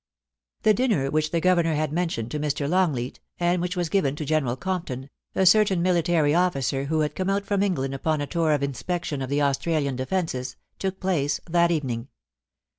The dinner which the Governor had mentioned to Mr. Longleat, and which was given to General Compton, a cer tain military ofHcer who had come out from England upon a tour of inspection of the Australian defences, took place that evening.